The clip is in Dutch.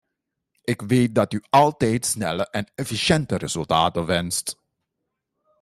Ik weet dat u altijd snelle en efficiënte resultaten wenst.